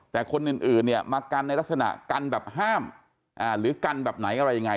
แต่คนอื่นเนี่ยมากันในลักษณะกันแบบห้ามหรือกันแบบไหนอะไรยังไง